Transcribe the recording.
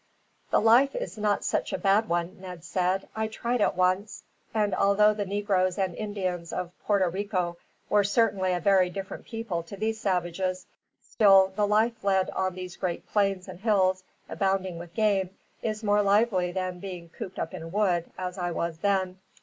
"The life is not such a bad one," Ned said. "I tried it once, and although the negroes and Indians of Porto Rico were certainly a very different people to these savages, still the life led on these great plains and hills, abounding with game, is more lively than being cooped up in a wood, as I was then.